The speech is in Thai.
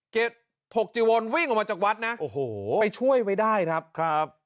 เกษฐกจิวลวิ่งออกมาจากวัดนะไปช่วยไว้ได้ครับ